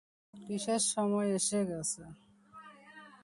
কিসের সময় এসে গেছে?